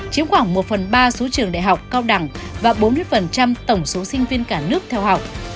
chiếm khoảng một phần ba số trường đại học cao đẳng và bốn mươi tổng số sinh viên cả nước theo học